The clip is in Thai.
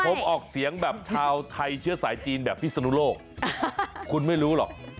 ผมออกเสียงแบบชาวไทยเชื้อสายจีนแบบพิศนุโลกคุณไม่รู้หรอก